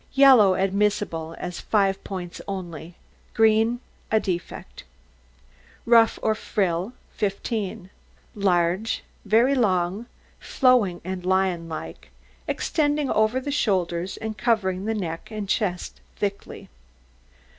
Yellow admissible as five points only. Green a defect. RUFF OR FRILL 15 Large, very long, flowing, and lion like, extending over the shoulders, and covering the neck and chest thickly.